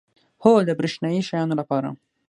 هو، د بریښنایی شیانو لپاره